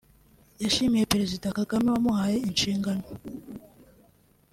yashimiye Perezida Kagame wamuhaye inshingano